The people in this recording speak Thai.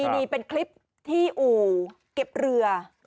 นี่เป็นคลิปที่อู่เก็บเรือ